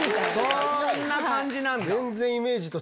そんな感じなんだ。